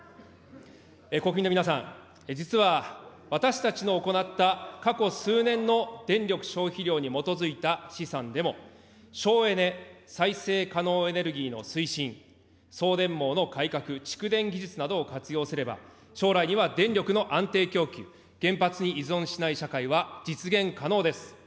国民の皆さん、実は、私たちの行った、過去数年の電力消費量に基づいた試算でも、省エネ、再生可能エネルギーの推進、送電網の改革、蓄電技術などを活用すれば、将来には電力の安定供給、原発に依存しない社会は実現可能です。